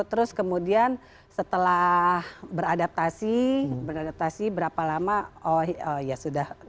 terus kemudian setelah beradaptasi berapa lama ya sudah